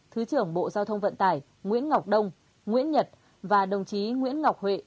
thứ trưởng bộ giao thông vận tải nguyễn ngọc đông nguyễn nhật và đồng chí nguyễn ngọc huệ